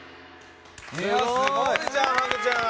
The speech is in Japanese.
すごいじゃんハグちゃん！